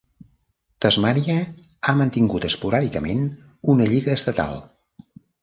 Tasmània ha mantingut esporàdicament una lliga estatal.